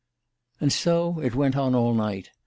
"And so it went on all night.